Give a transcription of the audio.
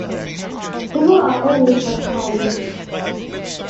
People are always surprised.